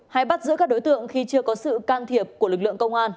hay bắt giữ các đối tượng khi chưa có sự can thiệp của lực lượng công an